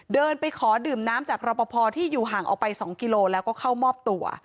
เดินไปขอดื่มน้ำจากรอปภที่อยู่ห่างออกไป๒กิโลแล้วก็เข้ามอบตัว